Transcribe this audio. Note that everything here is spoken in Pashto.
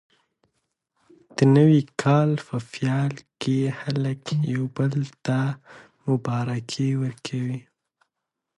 د نوي کال په پیل کې خلک یو بل ته مبارکي ورکوي.